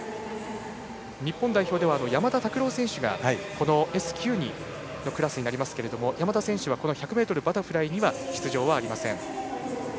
日本代表では山田拓朗選手がＳ９のクラスになりますが山田選手は１００ｍバタフライには出場はありません。